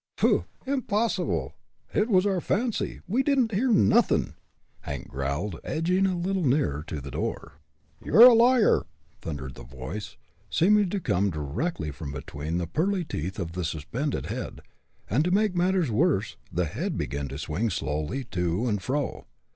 "Pooh! impossible! It was our fancy; we didn't hear nothin'," Hank growled, edging a little nearer to the door. "You're a liar!" thundered a voice, seeming to come directly from between the pearly teeth of the suspended head, and to make matters worse, the head began to swing slowly to and fro.